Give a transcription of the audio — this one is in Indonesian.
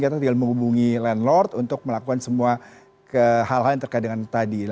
kita tinggal menghubungi landlord untuk melakukan semua hal hal yang terkait dengan tadi